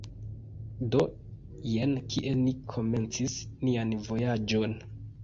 Do, jen kie ni komencis nian vojaĝon